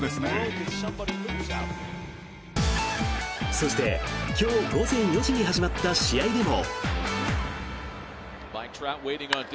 そして、今日午前４時に始まった試合でも。